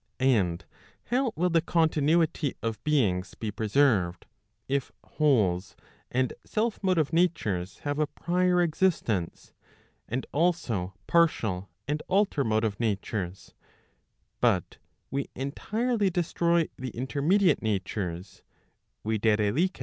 And how will the continuity of beings be preserved, if wholes and self motive natures have a prior existence, and also partial and alter motive natures, but we entirely destroy the intermediate natures, via.